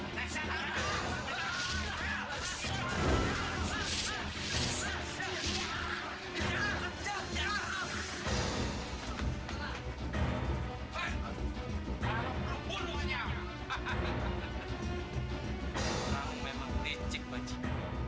kamu memang licik bancik